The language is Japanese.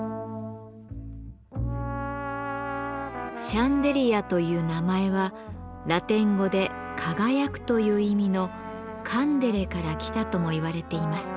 「シャンデリア」という名前はラテン語で「輝く」という意味の「カンデレ」から来たともいわれています。